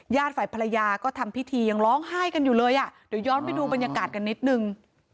ฝ่ายภรรยาก็ทำพิธียังร้องไห้กันอยู่เลยอ่ะเดี๋ยวย้อนไปดูบรรยากาศกันนิดนึง